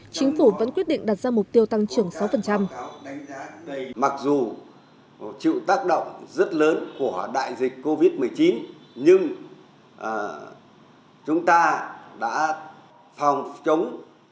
chính phủ vẫn quyết định đặt ra mục tiêu tăng trưởng sáu